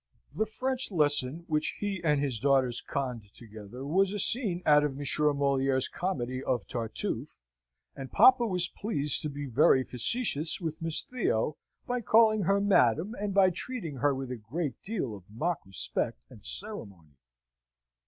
The French lesson which he and his daughters conned together was a scene out of Monsieur Moliere's comedy of "Tartuffe," and papa was pleased to be very facetious with Miss Theo, by calling her Madam, and by treating her with a great deal of mock respect and ceremony.